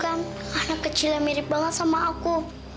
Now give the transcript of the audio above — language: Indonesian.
kamu kan anak kecil yang mirip banget sama aku